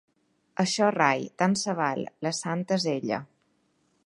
Això rai, tant se val, la santa és ella.